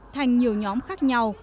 thành nhiều nhóm khác nhau